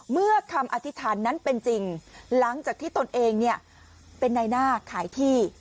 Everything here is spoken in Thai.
เมื่อคำอธิษฐานนั้นเป็นจริงหลังจากที่ตนเองเป็นในหน้าขายที่